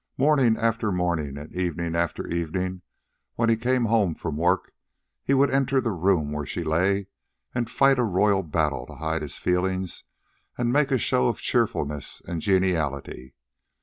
Morning after morning, and evening after evening when he came home from work, he would enter the room where she lay and fight a royal battle to hide his feelings and make a show of cheerfulness and geniality.